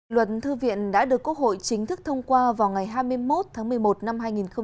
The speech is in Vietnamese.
luận thư viện đã được quốc hội chính thức thông qua vào ngày hai mươi một tháng một mươi một năm hai nghìn một mươi chín